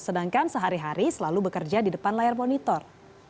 sedangkan sehari hari selalu bekerja di depan layar monitor